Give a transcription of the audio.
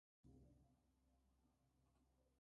Participó en tres ediciones de la prueba ciclista francesa.